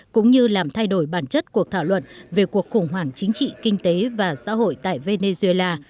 cũng như làm thay đổi bản chất cuộc thảo luận về cuộc khủng hoảng chính trị kinh tế và xã hội tại venezuela